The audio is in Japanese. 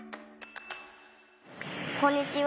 こんにちは。